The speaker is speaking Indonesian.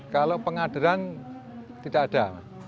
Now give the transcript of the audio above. kalau pengadilan tidak ada